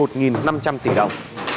đoàn kiểm tra đánh bạc